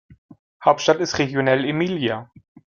Hauptstadt ist Reggio nell’Emilia.